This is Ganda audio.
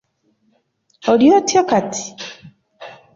Oli otya kati?